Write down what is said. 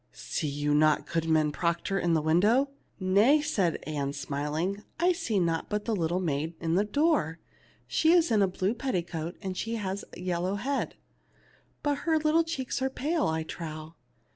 " See you not Goodman Proctor in the win dow r "" Nay," said Ann, smiling ; "I see naught but the little maid in the door. She is in a blue pet ticoat, and she has a yellow head, but her little cheeks are pale, I trow."